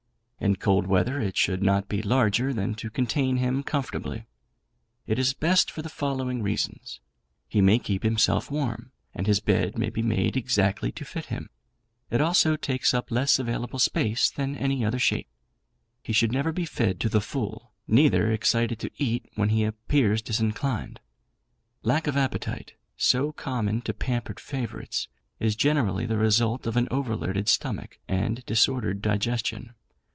In cold weather it should not be larger than to contain him comfortably. It is best for the following reasons: he may keep himself perfectly warm, and his bed may be made exactly to fit him; it also takes up less available space than any other shape. He should never be fed to the full; neither excited to eat when he appears disinclined. Lack of appetite, so common to pampered favourites, is generally the result of an overloaded stomach and disordered digestion.